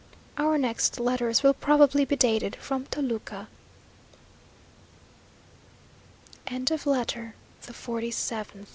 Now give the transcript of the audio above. Our next letters will probably be dated from Toluca LETTER THE FORTY EIGHTH Le